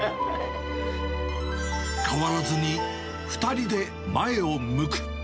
変わらずに２人で前を向く。